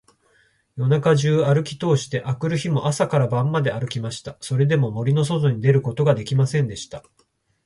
夜中じゅうあるきとおして、あくる日も朝から晩まであるきました。それでも、森のそとに出ることができませんでした。